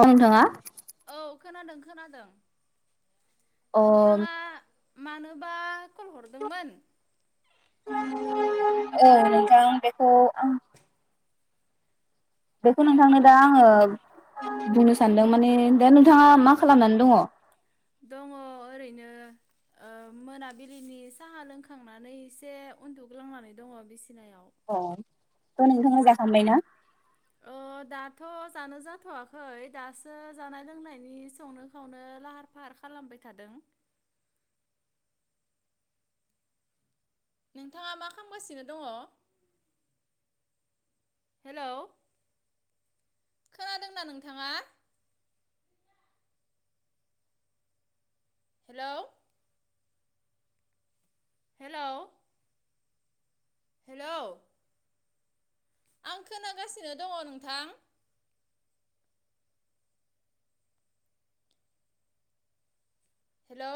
औ नोंथाङा? औ खोनादों खोनादों। अ नोंथाङा औ मानोबा कल हरदोंमोन? औ नोंथां बेखौं आं बेखौ नोंथांनो दा आङो बुंनो सानदों माने दा नोंथाङा मा खालामनानै दङ? दङ ओरैनो ओ मोनाबिलिनि साहा लोंखांनानै एसे उन्दुग्लांनानै दङ बिसि अ। थ' नोंथां जाखांबायना? ओ दाथ' जानो जाथ'वाखै दासो जानाय लोंनायनि संनो खावनो लाहार फाहार खालामबाय थादों। नोंथाङा मा खालामगासिनो दङ? हेलौ खोनादोंना नोंथाङा? हेल'। हेलौ। हेलौ। आं खोनागासिनो दङ नोंथां। हेलौ।